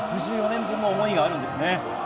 ６４年分の思いがあるんですね。